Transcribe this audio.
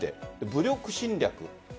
武力侵略。